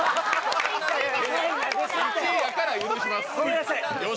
１位やから許します。